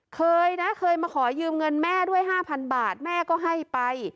เคยนะเคยมาขอยืมเงินแม่ด้วย๕๐๐บาทแม่ก็ให้ไป